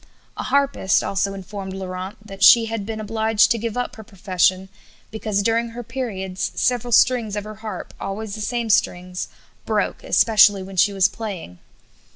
A harpist also informed Laurent that she had been obliged to give up her profession because during her periods several strings of her harp, always the same strings, broke, especially when she was playing.